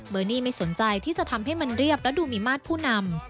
นี่ไม่สนใจที่จะทำให้มันเรียบและดูมีมาตรผู้นำ